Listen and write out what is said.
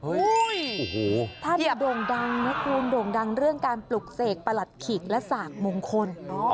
โอ้โหท่านโด่งดังนะคุณโด่งดังเรื่องการปลุกเสกประหลัดขิกและสากมงคล